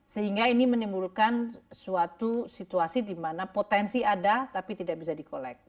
sehingga ini menimbulkan suatu situasi di mana potensi ada tapi tidak bisa di collect